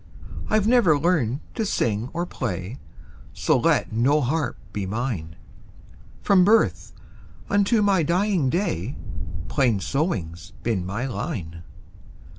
I 've never learned to sing or play, So let no harp be mine; From birth unto my dying day, Plain sewing 's been my line.